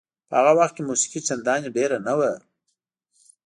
په هغه وخت کې موسیقي چندانې ډېره نه وه.